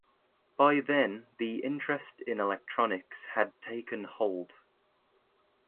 By then the interest in electronics had taken hold.